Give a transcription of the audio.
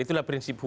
itulah prinsip hukum